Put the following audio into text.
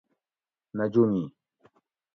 نجومی